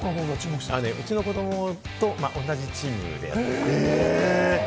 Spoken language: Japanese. うちの子どもと同じチームでやってたんですよ。